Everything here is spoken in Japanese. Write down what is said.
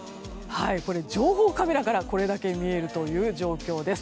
情報カメラからこれだけ見えるという状況です。